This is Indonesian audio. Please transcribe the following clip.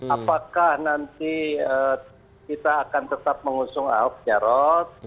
apakah nanti kita akan tetap mengusung ahok jarot